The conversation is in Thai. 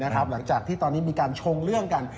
หลังจากที่ตอนนี้มีการชงเรื่องกัน